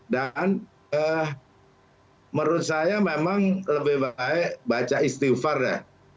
menurut saya memang lebih baik baca istighfar ya